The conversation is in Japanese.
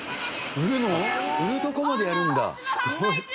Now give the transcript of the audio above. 売るとこまでやるんだ。